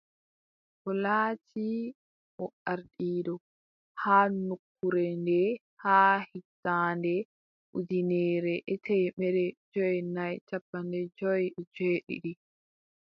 O laati o ardiiɗo haa nokkure nde haa hitaande ujineere e temeɗɗe joweenay cappanɗe jowi e joweeɗiɗi.